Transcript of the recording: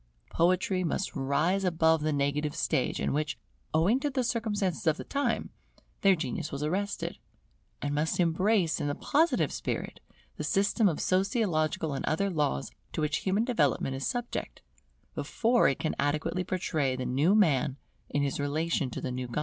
Poetry must rise above the negative stage in which, owing to the circumstances of the time, their genius was arrested, and must embrace in the Positive spirit the system of sociological and other laws to which human development is subject, before it can adequately portray the new Man in his relation to the new God.